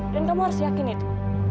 dan kamu harus yakin itu